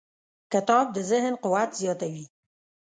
کتاب د ذهن قوت زیاتوي.